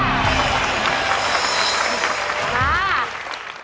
ไม่ใช้ครับ